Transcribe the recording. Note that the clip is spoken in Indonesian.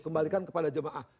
kembalikan kepada jemaah